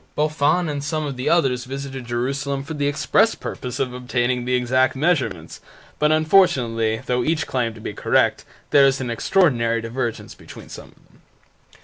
Boffin and some of the others visited Jerusalem for the express purpose of obtaining the exact measurements, but unfortunately, though each claimed to be correct, there is an extraordinary divergence between some of them.